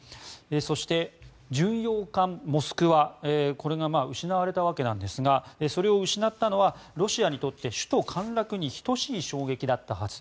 そして、巡洋艦「モスクワ」これが失われたわけなんですがそれを失ったのはロシアにとって首都陥落に等しい衝撃だったはず。